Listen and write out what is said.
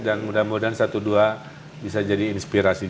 dan mudah mudahan satu dua bisa jadi inspirasi